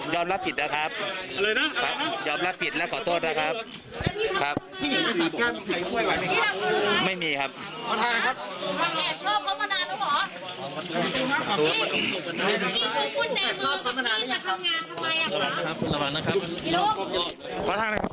ยอมรับผิดครับยอมรับผิด